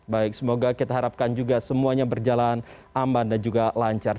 baik semoga kita harapkan juga semuanya berjalan lancar